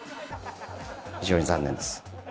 非常に残念です。